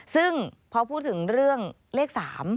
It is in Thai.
ซึ่งพอพูดถึงเรื่องเลข๓